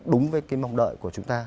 đúng với cái mong đợi của chúng ta